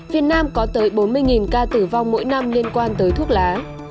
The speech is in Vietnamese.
việt nam liên quan tới thuốc lá